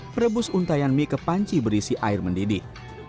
perebus untayan mie ke panci berisi air mendidih